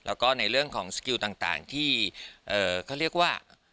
แล้วก็ในเรื่องของสกิลต่างที่เขาเรียกว่า